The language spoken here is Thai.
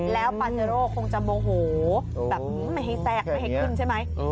แล้วปาเจโร่คงจะโมโหนแบบสักไม่เห็นขึ้นใช่ไหม